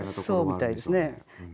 そうみたいですね。